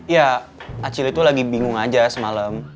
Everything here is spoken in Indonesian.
ya acil itu lagi bingung aja semalam